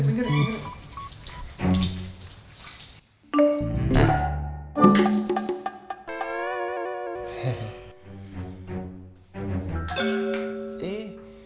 minggir minggir minggir